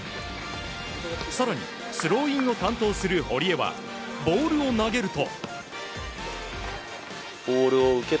更にスローインを担当する堀江はボールを投げると。